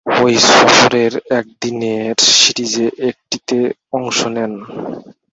ঐ সফরের একদিনের সিরিজের একটিতে অংশ নেন।